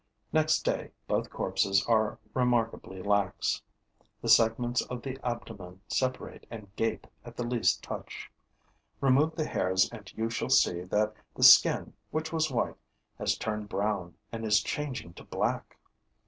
Next day, both corpses are remarkably lax; the segments of the abdomen separate and gape at the least touch. Remove the hairs and you shall see that the skin, which was white, has turned brown and is changing to black.